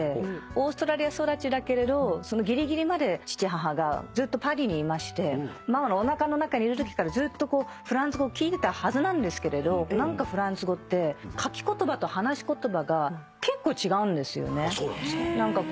オーストラリア育ちだけれどぎりぎりまで父母がずっとパリにいましてママのおなかの中にいるときからずっとこうフランス語聞いてたはずなんですけれどフランス語って書き言葉と話し言葉が結構違うんですよね。